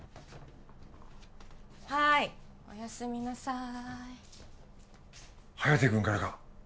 はいおやすみなさい颯君からか？